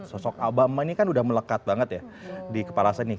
sosok abama ini kan udah melekat banget ya di kepala saya nih